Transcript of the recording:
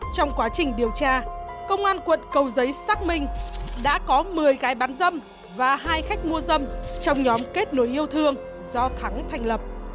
trong quá trình điều tra công an quận cầu giấy xác minh đã có một mươi gái bán dâm và hai khách mua dâm trong nhóm kết nối yêu thương do thắng thành lập